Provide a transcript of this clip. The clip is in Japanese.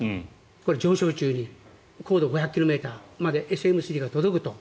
これは上昇中に高度５００ｋｍまでＳＭ３が届くと。